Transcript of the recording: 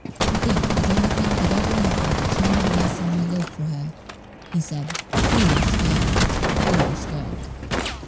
"To think that anything could ever happen to change or lessen my love for her," he said: "foolish girl! foolish girl!"